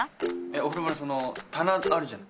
お風呂場のその棚あるじゃん